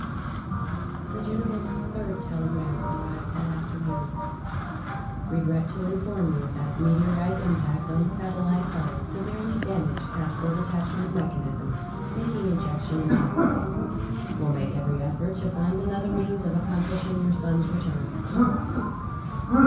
The general's third telegram arrived that afternoon: _Regret to inform you that meteorite impact on satellite hull severely damaged capsule detachment mechanism, making ejection impossible. Will make every effort to find another means of accomplishing your son's return.